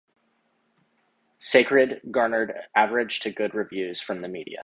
"Sacred" garnered average to good reviews from the media.